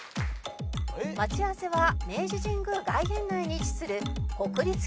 待ち合わせは明治神宮外苑内に位置する国立競技場